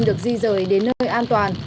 được di rời đến nơi an toàn